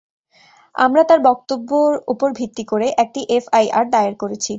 আমরা তার বক্তব্য উপর ভিত্তি করে একটি এফআইআর দায়ের করেছি।